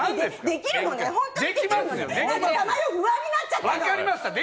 珠代、不安になっちゃった。